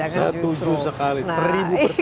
satu juh sekali seribu persen